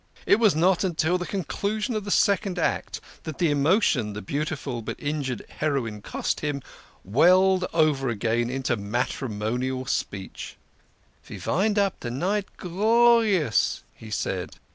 It was not till the conclusion of the second act that the emotion the beautiful but injured heroine cost him welled over again into matrimonial speech. " Ve vind up de night glorious," he said.